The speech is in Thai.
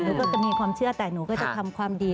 ก็จะมีความเชื่อแต่หนูก็จะทำความดี